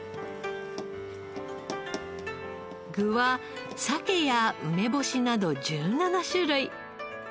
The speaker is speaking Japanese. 具はサケや梅干しなど１７種類。